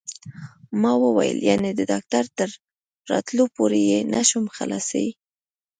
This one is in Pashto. ما وویل: یعنې د ډاکټر تر راتلو پورې یې نه شم څښلای؟